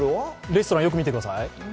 レストラン、よく見てください。